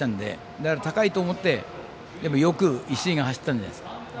だから高いと思ってよく石井が走ったんじゃないですか。